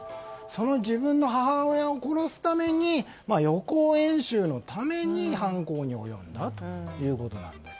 その自分の母親を殺すために予行練習のために犯行に及んだということなんです。